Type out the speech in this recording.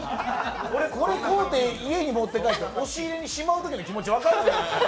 これを買うて、家に持って帰って、押し入れにしまうときの気持ち分かる？